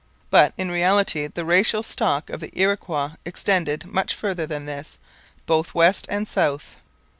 But in reality the racial stock of the Iroquois extended much farther than this, both west and south.